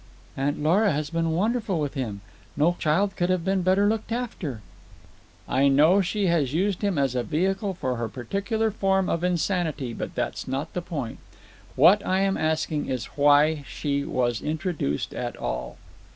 "Aunt Lora has been wonderful with him. No child could have been better looked after." "I know she has used him as a vehicle for her particular form of insanity, but that's not the point. What I am asking is why she was introduced at all."